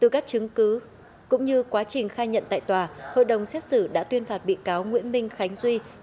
các chứng cứ cũng như quá trình khai nhận tại tòa hội đồng xét xử đã tuyên phạt bị cáo nguyễn minh khánh duy